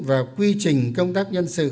và quy trình công tác nhân sự